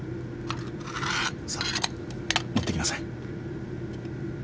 さあ持って行きなさい。